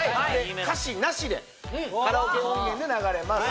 歌詞なしでカラオケ音源で流れます